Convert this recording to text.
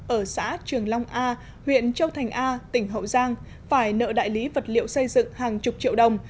ở xã trường long a huyện châu thành a tỉnh hậu giang phải nợ đại lý vật liệu xây dựng hàng chục triệu đồng